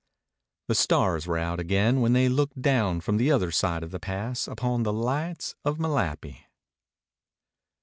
The stars were out again when they looked down from the other side of the pass upon the lights of Malapi.